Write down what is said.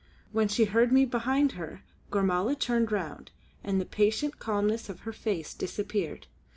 When she heard me behind her Gormala turned round, and the patient calmness of her face disappeared.